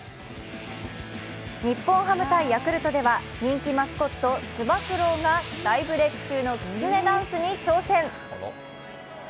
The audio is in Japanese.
日本ハム×ヤクルトでは人気マスコット、つば九郎が大ブレーク中のきつねダンスに挑戦。